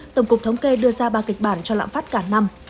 tổng cục thống kê đưa ra ba kịch bản cho lạm phát cả năm